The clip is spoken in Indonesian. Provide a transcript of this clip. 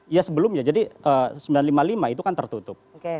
ya sebelumnya jadi sembilan ratus lima puluh lima itu kan tertutup